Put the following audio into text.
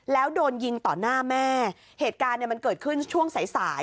แล้วโดนยิงต่อหน้าแม่เหตุการณ์เนี่ยมันเกิดขึ้นช่วงสายสาย